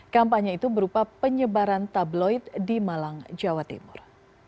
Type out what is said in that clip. kampanye itu berupa penyebaran tabloid di malang jawa timur